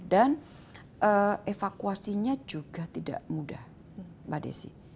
dan evakuasinya juga tidak mudah mbak desy